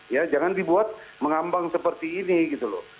ya jangan dibuat mengambang seperti ini gitu loh